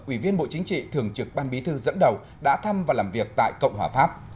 ủy viên bộ chính trị thường trực ban bí thư dẫn đầu đã thăm và làm việc tại cộng hòa pháp